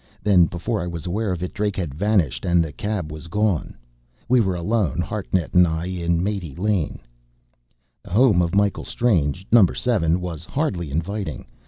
Then, before I was aware of it, Drake had vanished and the cab was gone. We were alone, Hartnett and I, in Mate Lane. The home of Michael Strange number seven was hardly inviting.